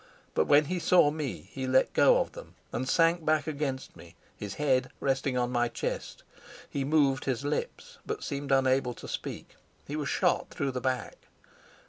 But when he saw me he let go of them and sank back against me, his head resting on my chest. He moved his lips, but seemed unable to speak. He was shot through the back.